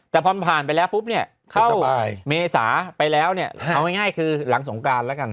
แต่พอผ่านไปแล้วปุ๊บเนี่ยเมษาไปแล้วเนี่ยเอาง่ายคือหลังสงการแล้วกัน